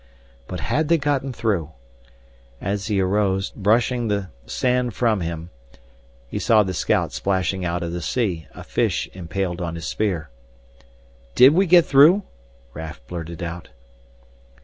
But had they gotten through? As he arose, brushing the sand from him, he saw the scout splashing out of the sea, a fish impaled on his spear. "Did we get through?" Raf blurted out.